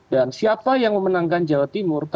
dan siapa yang memenangkan jawa timur